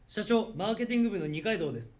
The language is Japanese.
マーケティング部の二階堂です。